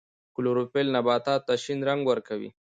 کلوروفیل نباتاتو ته شین رنګ ورکوي